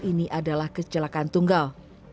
ini adalah kecelakan tunggal